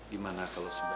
gimana kalau sebaiknya